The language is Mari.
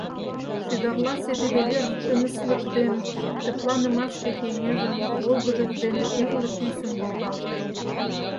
Шӱгарласе тиде вер тыныслык ден тыпланымаште кеҥежын волгыдыж дене тӱрлӧ тӱсын волгалте.